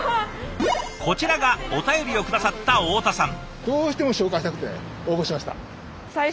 こちらがお便りを下さった大田さん。